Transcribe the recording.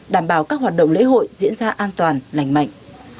đảm bảo các hoạt động lễ hội diễn ra an toàn lành mạnh